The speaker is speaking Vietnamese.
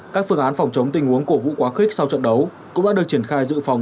các phương án phòng chống tình huống cổ vũ quá khích sau trận đấu cũng đã được triển khai dự phòng